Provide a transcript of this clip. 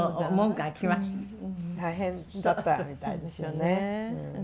大変だったみたいですよね。